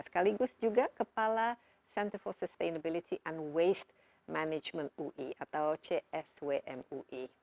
sekaligus juga kepala center for sustainability and waste management ui atau cswm ui